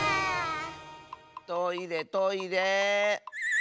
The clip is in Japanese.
トイレトイレ。